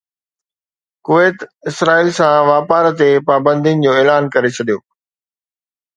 Kuwait Israel سان واپار تي پابندين جو اعلان ڪري ڇڏيو